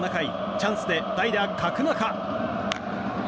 チャンスで代打、角中。